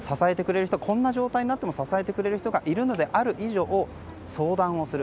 こんな状態になっても支えてくれる人がいる以上相談をする。